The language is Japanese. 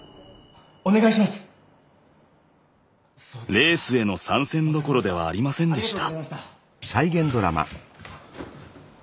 レースへの参戦どころではありませんでした。